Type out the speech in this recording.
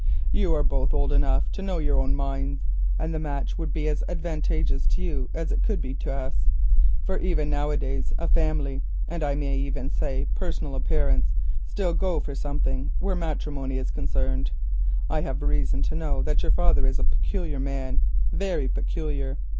You are both old enough to know your own minds, and the match would be as advantageous for you as it could be to us, for even now a days, family, and I may even say personal appearance, still go for something where matrimony is concerned. I have reason to know that your father is a peculiar man, very peculiar.